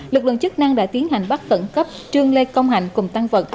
lực lượng chức năng đã tiến hành bắt khẩn cấp trương lê công hạnh cùng tăng vật